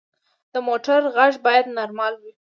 د موټر غږ باید نارمل وي.